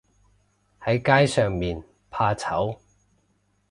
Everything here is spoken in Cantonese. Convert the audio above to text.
喺街上面怕醜